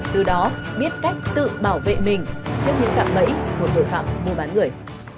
từ đó biết cách tự bảo vệ mình trước những cặp bẫy của tội phạm mua bán người